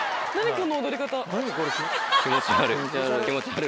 この踊り方。